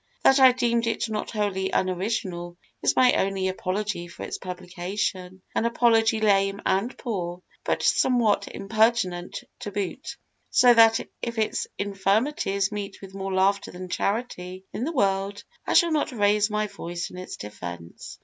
That I deemed it not wholly unoriginal is my only apology for its publication an apology lame and poor, and somewhat impertinent to boot: so that if its infirmities meet with more laughter than charity in the world, I shall not raise my voice in its defence.